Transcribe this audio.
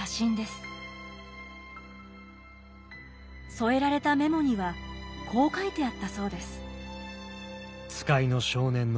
添えられたメモにはこう書いてあったそうです。